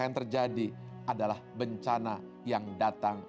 yang terjadi adalah bencana yang datang